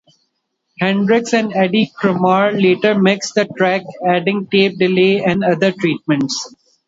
Hendrix and Eddie Kramer later mixed the track, adding tape delay and other treatments.